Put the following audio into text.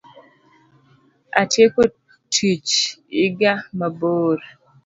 Atieko tiich iga mabiro.